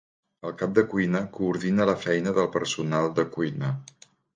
El cap de cuina coordina la feina del personal de cuina.